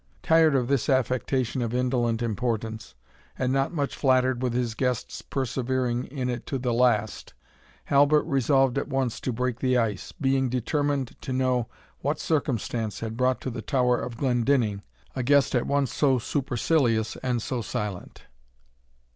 Tired of this affectation of indolent importance, and not much flattered with his guest's persevering in it to the last, Halbert resolved at once to break the ice, being determined to know what circumstance had brought to the tower of Glendinning a guest at once so supercilious and so silent.